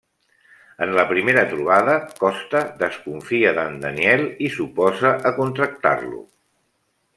En la primera trobada Costa desconfia d'en Daniel i s'oposa a contractar-lo.